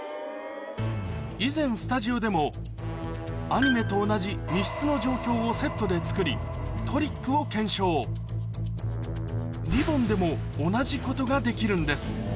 以前スタジオでもアニメと同じ密室の状況をセットで作りトリックを検証リボンでも同じことができるんです